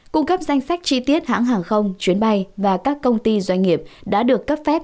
cung cấp danh sách chi tiết hãng hàng không chuyến bay và các công ty doanh nghiệp đã được cấp phép